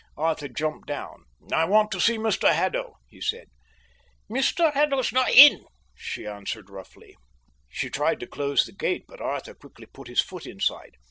Arthur jumped down. "I want to see Mr Haddo," he said. "Mr Haddo's not in," she answered roughly. She tried to close the gate, but Arthur quickly put his foot inside.